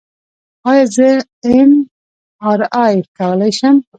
ایا زه ایم آر آی کولی شم؟